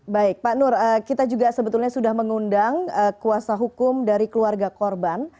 baik pak nur kita juga sebetulnya sudah mengundang kuasa hukum dari keluarga korban